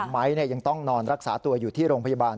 ไม้ยังต้องนอนรักษาตัวอยู่ที่โรงพยาบาล